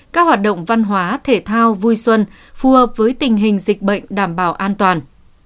các hoạt động văn hóa thể thao vui xuân phù hợp với tình hình dịch bệnh đảm bảo an toàn